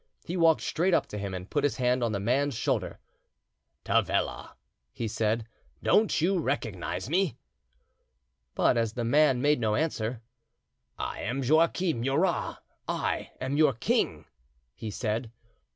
He walked straight up to him and put his hand on the man's shoulder. "Tavella," he said, "don't you recognise me?" But as the man made no answer: "I am Joachim Murat, I am your king," he said.